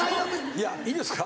いやいいですか？